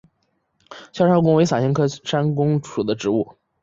鞘山芎为伞形科山芎属的植物。